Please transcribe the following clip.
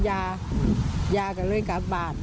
เพราะไม่เคยถามลูกสาวนะว่าไปทำธุรกิจแบบไหนอะไรยังไง